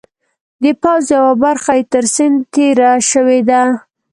د پوځ یوه برخه یې تر سیند تېره شوې ده.